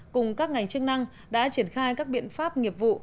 cùng các ngành chức năng đã triển khai các biện pháp nghiệp vụ